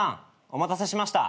お待たせしました。